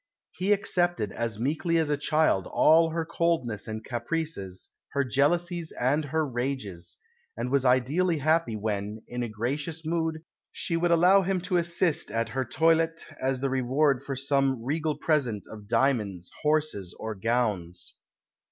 He accepted as meekly as a child all her coldness and caprices, her jealousies and her rages; and was ideally happy when, in a gracious mood, she would allow him to assist at her toilette as the reward for some regal present of diamonds, horses, or gowns.